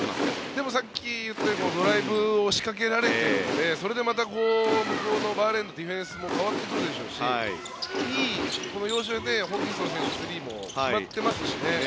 でもさっき、ドライブを結構仕掛けられているのでそれでまた向こうのバーレーンのディフェンスも変わってくるでしょうしホーキンソン選手のスリーも決まってますので。